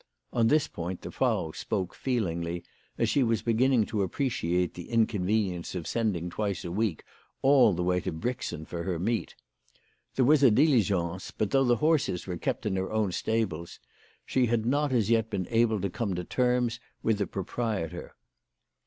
On this point the Frau spoke feelingly, as she was begin ning to appreciate the inconvenience of sending twice a week all the way to Brixen for her meat. There was a diligence, but though the horses were kept in her own stables, she had not as yet been able to come to terms with the proprietor.